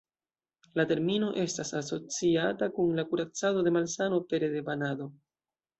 La termino estas asociata kun la kuracado de malsano pere de banado.